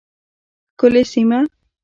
ښکلې سیمه